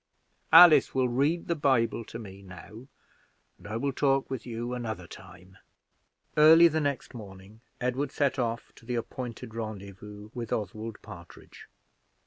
Alice will read the Bible to me now, and I will talk with you another time." Early the next morning Edward set off to the appointed rendezvous with Oswald Partridge.